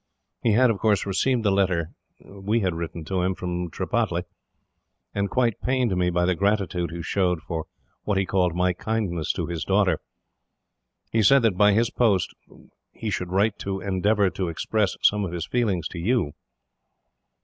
He had, of course, received the letter we had written to him from Tripataly, and quite pained me by the gratitude he showed for what he called my kindness to his daughter. "He said that, by this post, he should write to endeavour to express some of his feelings to you.